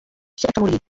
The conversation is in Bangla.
সে একটা মুরগি।